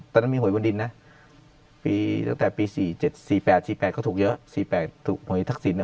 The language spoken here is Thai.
ตอนนั้นมีหวยบนดินนะตั้งแต่ปี๔๘ก็ถูกเยอะ